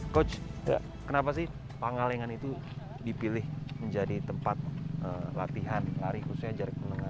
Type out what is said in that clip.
coach kenapa sih pangalengan itu dipilih menjadi tempat latihan lari khususnya jarak menengah